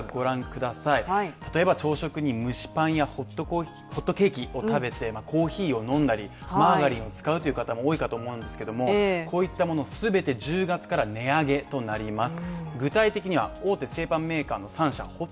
例えば朝食に蒸しパンやホットコーヒー、ホットケーキを食べてコーヒーを飲んだりマーガリンを使うという方も多いかと思うんですけどもこういったものをすべて１０月から値上げとなります。